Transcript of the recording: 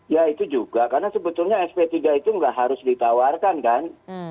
ya itu juga karena sebetulnya sp tiga itu nggak harus ditawarkan kan